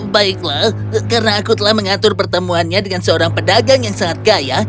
baiklah karena aku telah mengatur pertemuannya dengan seorang pedagang yang sangat kaya